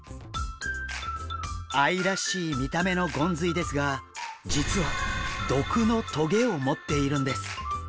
愛らしい見た目のゴンズイですが実は毒の棘を持っているんです。